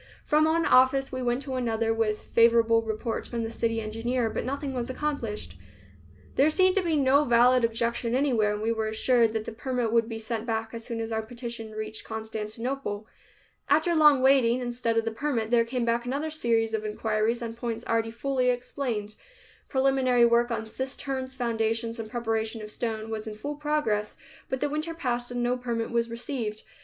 From one office we went to another, with favorable reports from the city engineer, but nothing was accomplished. There seemed to be no valid objection anywhere, and we were assured that the permit would be sent back as soon as our petition reached Constantinople. After long waiting, instead of the permit there came back another series of inquiries on points already fully explained. Preliminary work on cisterns, foundations and preparation of stone was in full progress, but the winter passed and no permit was received.